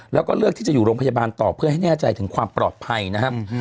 แล้วก็เลือกที่จะอยู่โรงพยาบาลต่อเพื่อให้แน่ใจถึงความปลอดภัยนะครับ